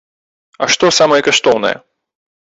А што самае каштоўнае?